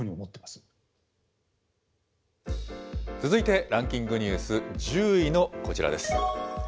続いてランキングニュース、１０位のこちらです。